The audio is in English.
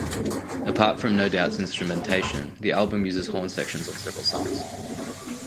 Apart from No Doubt's instrumentation, the album uses horn sections on several songs.